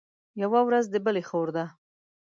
يوه ورځ د بلي خور ده.